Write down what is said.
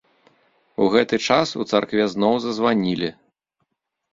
У гэты час у царкве зноў зазванілі.